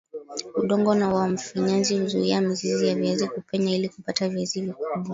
udongo wa mfinyanzi huzuia mizizi ya viazi kupenya ili kupata viazi vikubwa